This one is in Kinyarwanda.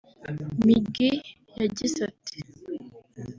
Miggy yagize ati